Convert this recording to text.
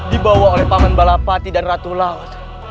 dibawa oleh paman balapati dan ratu laut